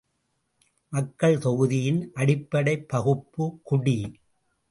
மக்கள் தொகுதியின் அடிப்படை பகுப்பு குடி!